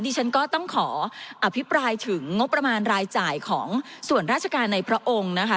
ฉันก็ต้องขออภิปรายถึงงบประมาณรายจ่ายของส่วนราชการในพระองค์นะคะ